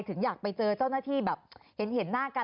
ถึงอยากไปเจอเจ้าหน้าที่แบบเห็นหน้ากัน